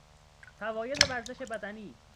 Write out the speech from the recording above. فواید ورزش بدنی